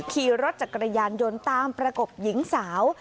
ขี่รถจักรยานยนต์ตามประกบหญิงสาว